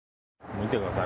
見てください